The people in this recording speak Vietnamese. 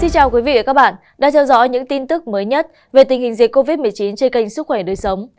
chào các bạn đã theo dõi những tin tức mới nhất về tình hình dịch covid một mươi chín trên kênh sức khỏe đời sống